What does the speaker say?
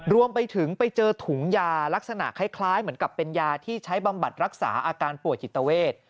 รวมไปถึงไปเจอถุงยาลักษณะคล้ายเหมือนกับเป็นยาที่ใช้บำบัดรักษาอาการป่วยจิตเวท